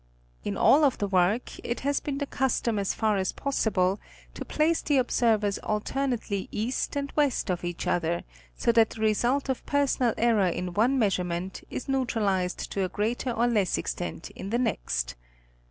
In all of the work it has been the custom as far as possible to place the observers alternately east and west of each other, so that the result of personal error in one measurement is neutralized to a greater or less extent in the next.